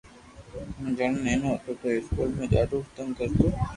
ھون جڻي نينو ھتو تو اسڪول مي ڌاڌو تنگ ڪرتو